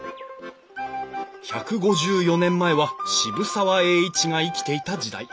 １５４年前は渋沢栄一が生きていた時代。